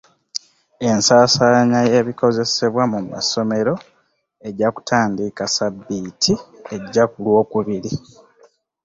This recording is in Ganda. Ensaasaanya y'ebikozesebwa mu masomero ejja kutandika ssabbiiti ejja ku lw'okubiri.